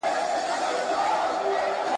بیرغ له لاسه مه ورکوه.